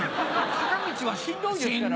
坂道はしんどいですからね。